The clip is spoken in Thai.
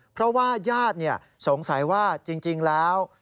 เพราะว่าญาติสงสัยว่าจริงแล้ว